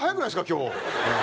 今日。